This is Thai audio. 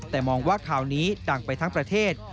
แต่มองว่าข่าวนี้ดังไปทั้งประเทศ